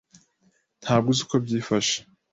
Ntabwo uzi uko byifashe.